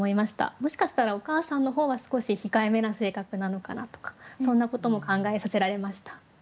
もしかしたらお母さんの方は少し控えめな性格なのかなとかそんなことも考えさせられました。